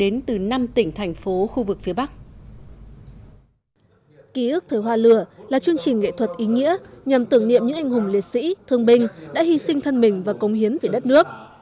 nhằm tưởng niệm những anh hùng liệt sĩ thương binh đã hy sinh thân mình và công hiến về đất nước